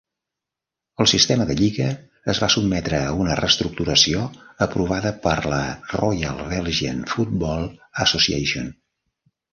El sistema de lliga es va sotmetre a una reestructuració aprovada per la Royal Belgian Football Association.